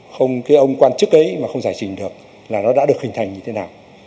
không cái ông quan chức ấy mà không giải trình được là nó đã được hình thành như thế nào